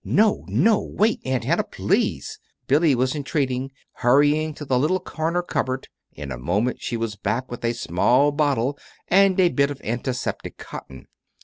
"No, no, wait, Aunt Hannah, please," Billy was entreating, hurrying to the little corner cupboard. In a moment she was back with a small bottle and a bit of antiseptic cotton.